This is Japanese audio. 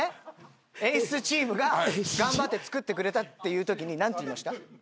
演出チームが頑張って作ってくれたっていうときに何て言いました？